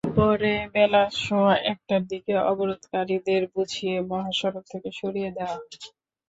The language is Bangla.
পরে বেলা সোয়া একটার দিকে অবরোধকারীদের বুঝিয়ে মহাসড়ক থেকে সরিয়ে দেওয়া হয়।